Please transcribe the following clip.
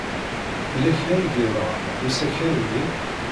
Yella kra ay yeḍran deg usakal-nni?